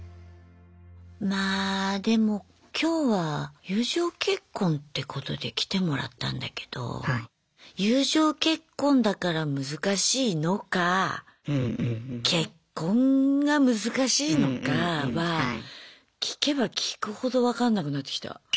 まあでも今日は友情結婚ってことで来てもらったんだけど友情結婚だから難しいのか結婚が難しいのかは聞けば聞くほど分かんなくなってきた。